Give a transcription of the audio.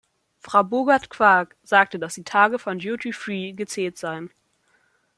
Frau Boogerd-Quaak sagte, dass die Tage von Duty Free gezählt seien.